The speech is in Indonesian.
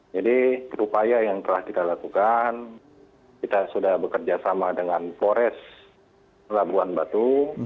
jadi upaya yang telah kita lakukan kita sudah bekerjasama dengan forest labuan batu